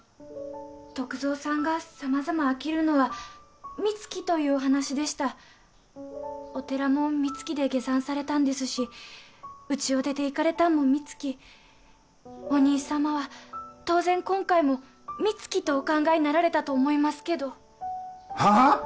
篤蔵さんが様々飽きるのは三月というお話でしたお寺も三月で下山されたんですしうちを出て行かれたんも三月お義兄様は当然今回も三月とお考えになられたと思いますけどはあ！？